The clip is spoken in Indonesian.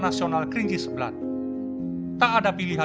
tapi alhamdulillah saya ini pak